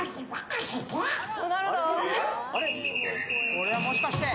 これはもしかして？